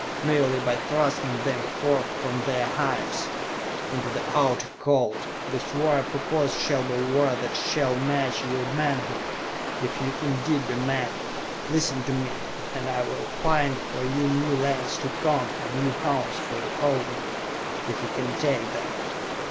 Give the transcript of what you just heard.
Merely by thrusting them forth from the hives, into the Outer Cold! This war I propose shall be a war that shall match your manhood, if ye indeed be men! Listen to me, and I will find for you new lands to conquer, new homes for your holding, if ye can take them!"